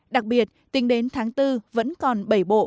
đặc biệt tính đến tháng bốn vẫn còn bảy bộ